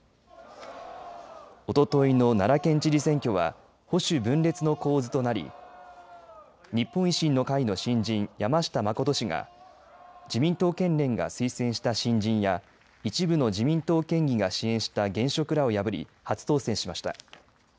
おとといの奈良県知事選挙は保守分裂の構図となり日本維新の会の新人、山下真氏が自民党県連が推薦した新人や一部の自民党県議が支援した現職らを破り初当選しました。